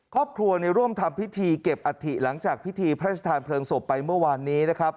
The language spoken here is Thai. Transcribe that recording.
ครอบครัวร่วมทำพิธีเก็บอัฐิหลังจากพิธีพระราชทานเพลิงศพไปเมื่อวานนี้นะครับ